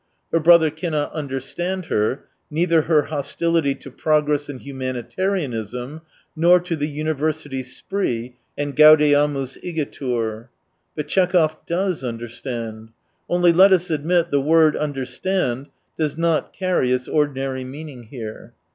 Her brother cannot understand her, neither her hostility to progress and humanitarianism, nor to the university spree and Gaudeamus igitur. But Tchekhov does understand. Only, let us admit, the word " understand " does not carry its ordinary meaning here.